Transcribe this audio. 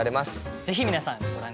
ぜひ皆さんご覧下さい！